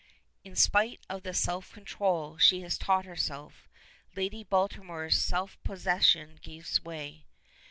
In spite of the self control she has taught herself, Lady Baltimore's self possession gives way.